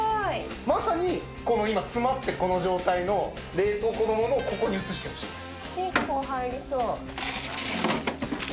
まさに今詰まってるこの状態の冷凍庫のものをここに移してほしいんです。